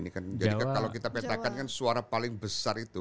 kalau kita petakan kan suara paling besar itu